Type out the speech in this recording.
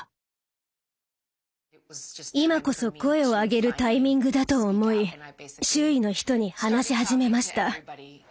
今こそ声を上げるタイミングだと思い周囲の人に話し始めました。＃